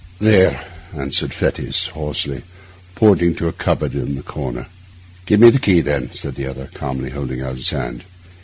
'There,' answered Fettes hoarsely, pointing to a cupboard in the corner. 'Give me the key, then,' said the other, calmly, holding out his hand.